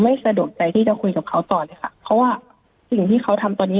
สะดวกใจที่จะคุยกับเขาต่อเลยค่ะเพราะว่าสิ่งที่เขาทำตอนนี้